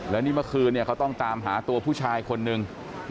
แล้วนี่เมื่อคืนเนี่ยเขาต้องตามหาตัวผู้ชายคนหนึ่ง